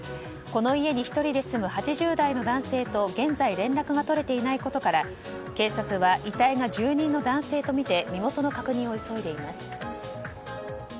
この家に１人で住む８０代の男性と現在連絡が取れていないことから警察は遺体が住人の男性とみて身元の確認を急いでいます。